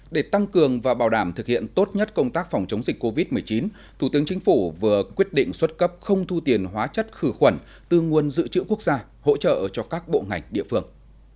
để tăng cường và bảo đảm thực hiện tốt nhất công tác phòng chống dịch covid một mươi chín thủ tướng chính phủ vừa quyết định xuất cấp không thu tiền hóa chất khử khuẩn từ nguồn dự trữ quốc gia hỗ trợ cho các bộ ngành địa phương